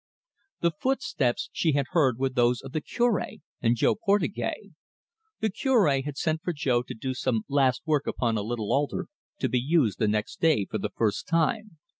The footsteps she had heard were those of the Cure and Jo Portugais. The Cure had sent for Jo to do some last work upon a little altar, to be used the next day for the first time.